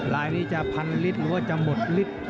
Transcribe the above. รายนี้จะพันลิตรหรือจะหมดลิตร